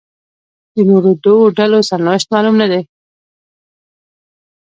د نورو دوو ډلو سرنوشت معلوم نه دی.